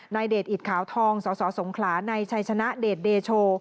นายเดชน์อิตขาวทองสสงขลานายชัยชนะเดชน์เดชโช